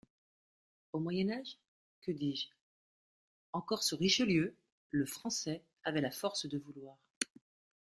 Au Moyen Âge, que dis-je ? encore sous Richelieu, le Français avait la force de vouloir.